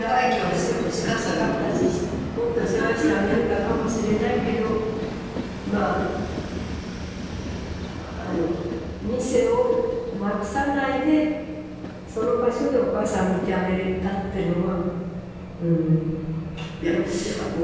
してほしかったしもっと世話してあげられたかもしれないけどまあ店をなくさないでその場所でお母さんを見てあげられたっていうのはやっぱりよかったと思うよ。